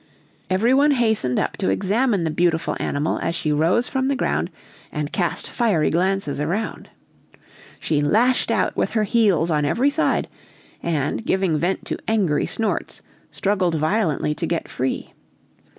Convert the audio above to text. Every one hastened up to examine the beautiful animal as she rose to the ground and cast fiery glances around. She lashed out with her heels on every side; and, giving vent to angry snorts, struggled violently to get free.